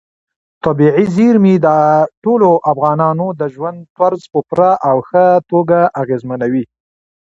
طبیعي زیرمې د ټولو افغانانو د ژوند طرز په پوره او ښه توګه اغېزمنوي.